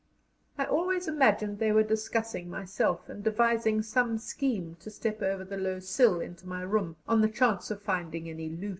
I always imagined they were discussing myself, and devising some scheme to step over the low sill into my room on the chance of finding any loot.